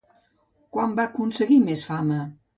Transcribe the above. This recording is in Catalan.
Quan va aconseguir més fama?